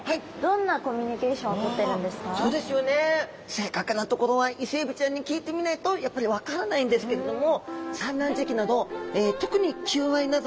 正確なところはイセエビちゃんに聞いてみないとやっぱり分からないんですけれども。